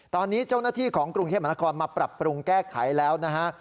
ตอนนี้เจ้าหน้าที่ของกรุงเทพมหานครมาปรับปรุงแก้ไขแล้วนะฮะ